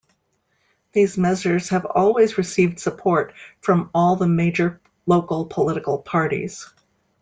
These measures have always received support from all the major local political parties.